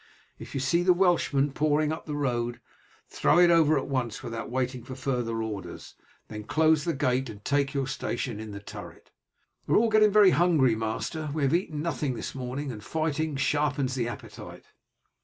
If you see the Welshmen pouring up the road, throw it over at once without waiting for further orders, then close the gate and take your station in the turret." "We are all getting very hungry, master. We have eaten nothing this morning, and fighting sharpens the appetite."